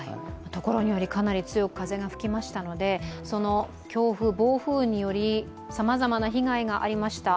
所により、かなり風が強く吹きましたので強風、暴風によりさまざまな被害がありました。